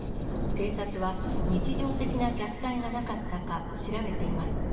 警察は日常的な虐待がなかったか調べています。